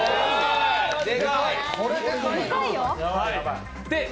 これ、でかいなあ。